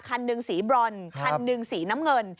คันหนึ่งสีบรอนคันหนึ่งสีน้ำเงิน